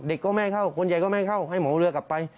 เด็กก็ไม่เข้าคนใหญ่ก็ไม่เข้าให้หมอเลือกกลับไป